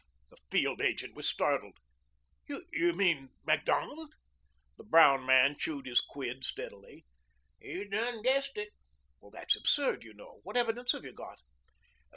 The field agent was startled. "You mean Macdonald?" The brown man chewed his quid steadily. "You done guessed it." "That's absurd, you know. What evidence have you got?"